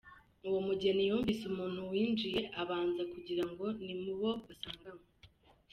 Uwo mugeni yumvise umuntu winjiye, abanza kugira ngo ni mu bo basanganywe.